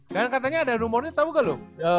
dan katanya ada rumornya tau gak lu